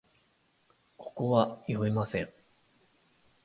ここは、頼山陽のいた山紫水明処、